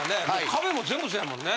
壁も全部そやもんね。